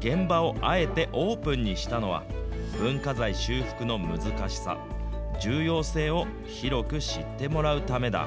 現場をあえてオープンにしたのは、文化財修復の難しさ、重要性を広く知ってもらうためだ。